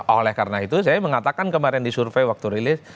oleh karena itu saya mengatakan kemarin di survei waktu rilis